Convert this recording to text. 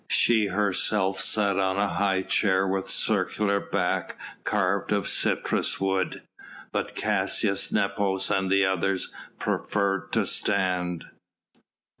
She herself sat on a high chair with circular back carved of citrus wood, but Caius Nepos and the others preferred to stand.